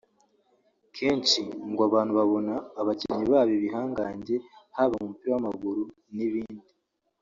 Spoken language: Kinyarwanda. Kenshi ngo abantu babona abakinnyi baba ibihangange haba mu mupira w’amaguru n’ibindi